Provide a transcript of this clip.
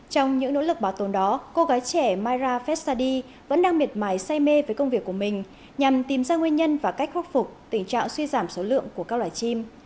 trong những nỗ lực bảo tồn đó cô gái trẻ myra fessady vẫn đang miệt mài say mê với công việc của mình nhằm tìm ra nguyên nhân và cách khắc phục tình trạng suy giảm số lượng của các loài chim